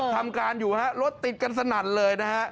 ทำการอยู่ฮะรถติดกันสนั่นเลยนะฮะ